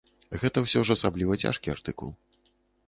Гэта ўсё ж асабліва цяжкі артыкул.